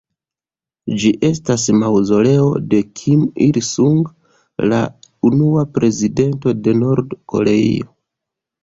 Ĝi estas maŭzoleo de Kim Il-sung, la unua prezidento de Nord-Koreio.